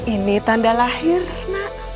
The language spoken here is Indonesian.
ini tanda lahir nak